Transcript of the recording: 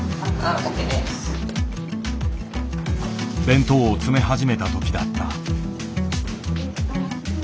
弁当を詰め始めた時だった。